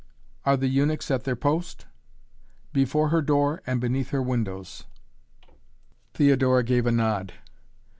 "Are the eunuchs at their post?" "Before her door and beneath her windows." Theodora gave a nod.